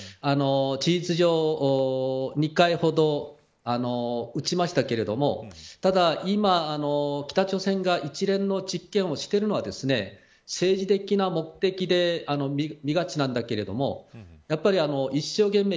事実上、２回ほど撃ちましたけれどもただ、今北朝鮮が一連の実験をしているのは政治的な目的で見がちなんだけれどもやっぱり一生懸命